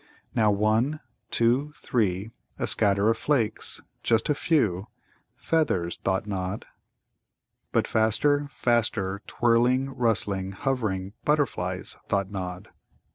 Now one, two, three, a scatter of flakes, just a few. "Feathers," thought Nod. But faster, faster; twirling, rustling, hovering. "Butterflies," thought Nod.